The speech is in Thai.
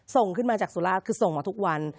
ส่งขึ้นมาจากสุราชคือส่งมาทุกวัน